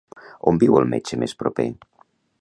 On viu el metge més proper?